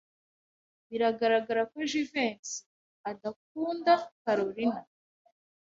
Biragaragara ko Jivency adakunda Kalorina.